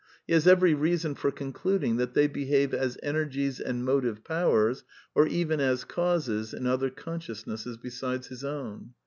He has every reason for concluding that they behave as energies and motive powers or even as causes in other consciousnesses besides his own.